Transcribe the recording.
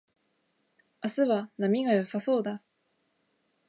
明日は波が良さそうだ